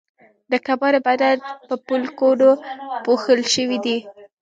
د کبانو بدن په پولکونو پوښل شوی دی